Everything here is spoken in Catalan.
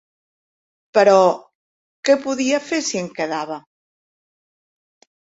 Però què podia fer si em quedava!